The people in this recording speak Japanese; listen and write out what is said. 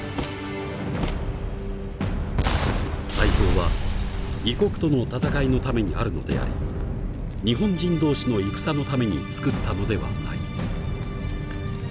大砲は異国との戦いのためにあるのであり日本人同士の戦のために作ったのではない。